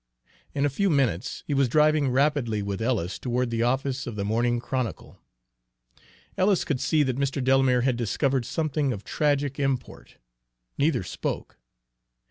In a few minutes he was driving rapidly with Ellis toward the office of the Morning Chronicle. Ellis could see that Mr. Delamere had discovered something of tragic import. Neither spoke.